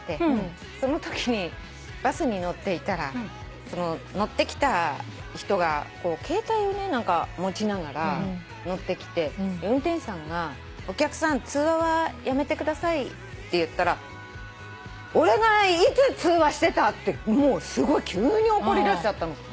そのときにバスに乗っていたら乗ってきた人が携帯を持ちながら乗ってきて運転士さんが「お客さん通話はやめてください」って言ったら「俺がいつ通話してた！？」ってすごい急に怒りだしちゃったの。